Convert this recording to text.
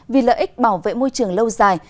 vì lợi ích bảo vệ môi trường lâu dài